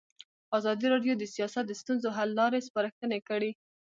ازادي راډیو د سیاست د ستونزو حل لارې سپارښتنې کړي.